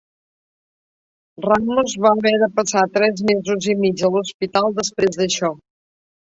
Ramos va haver de passar tres mesos i mig a l'hospital desprès d'això.